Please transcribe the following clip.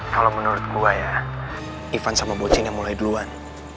kalau menurut gue ya ivan sama boci ini mulai duluan